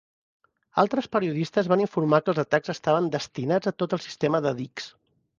Altres periodistes van informar que els atacs estaven "destinats a tot el sistema de dics".